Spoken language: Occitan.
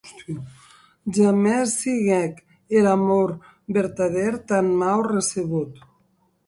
Jamès siguec er amor vertadèr tan mau recebut.